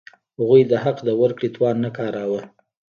هغوی د حق د ورکړې توان نه کاراوه.